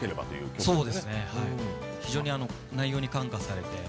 非常に内容に感化されて。